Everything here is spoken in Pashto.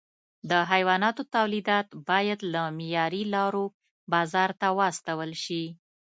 د حیواناتو تولیدات باید له معیاري لارو بازار ته واستول شي.